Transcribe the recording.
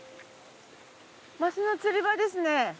マスの釣り場ですね。